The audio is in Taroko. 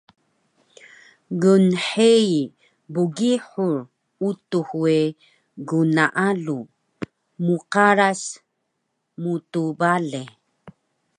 Gnhei Bgihur Utux we gnaalu, mqaras, mtbale